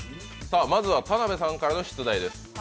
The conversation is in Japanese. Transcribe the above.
まずは田辺さんからの出題です。